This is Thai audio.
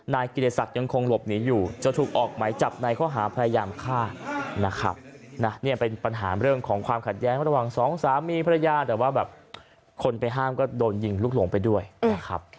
นะครับนะเนี่ยเป็นปัญหาเรื่องของความขัดแย้งระหว่างสองสามีพระยาแต่ว่าแบบคนไปห้ามก็โดนยิงลุกหลงไปด้วยนะครับ